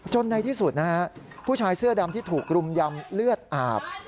ในที่สุดนะฮะผู้ชายเสื้อดำที่ถูกรุมยำเลือดอาบ